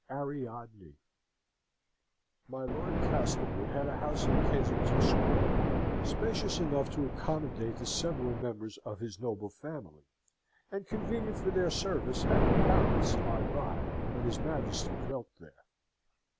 Ariadne My Lord Castlewood had a house in Kensington Square spacious enough to accommodate the several members of his noble family, and convenient for their service at the palace hard by, when his Majesty dwelt there.